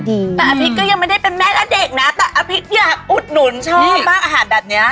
แต่อภิษก็ยังไม่ได้เป็นแม่และเด็กนะแต่อภิษอยากอุดหนุนชอบมากอาหารแบบนี้